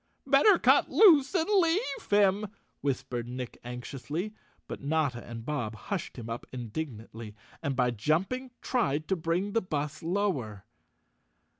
"Better cut loose and leave him," whispered Nick anxiously, but Notta and Bob hushed him up indignantly and by jumping tried to bring the bus lower.